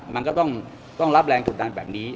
มันก็ต้องรับแรงกดดันแบบนี้